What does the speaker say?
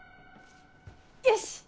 よし！